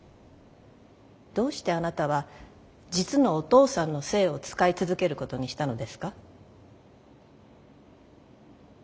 どうしてあなたは実のお父さんの姓を使い続けることにしたのですか？